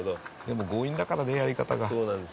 でも強引だからねやり方が。